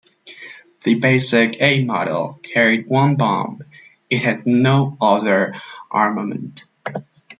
The basic A model carried one bomb; it had no other armament.